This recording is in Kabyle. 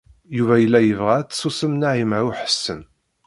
Yuba yella yebɣa ad tsusem Naɛima u Ḥsen.